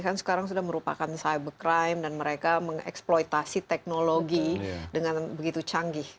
kan sekarang sudah merupakan cybercrime dan mereka mengeksploitasi teknologi dengan begitu canggih